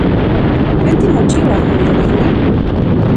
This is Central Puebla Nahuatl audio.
¿Tlen timochiua, noyolikni?